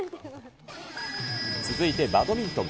続いてバドミントン。